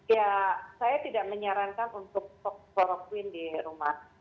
ya saya tidak menyarankan untuk kloroquine di rumah